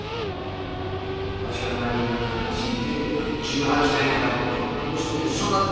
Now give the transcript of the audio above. わしは何が悲しいて１８年間もこんな娘を育ててきたんか。